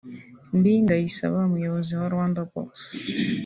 Lee Ndayisaba umuyobozi wa Rwandabox